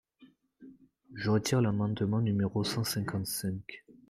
Je retire l’amendement numéro cent cinquante-cinq.